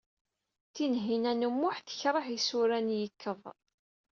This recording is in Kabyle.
Tinhinan u Muḥ tekṛeh isura n yikkeḍ.